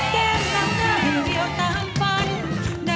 แต่ว่า